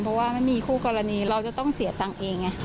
เพราะว่าไม่มีคู่กรณีเราจะต้องเสียตังค์เองไง